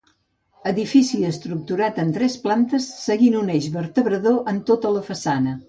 Edifici estructurat en tres plantes seguint un eix vertebrador en tota la façana.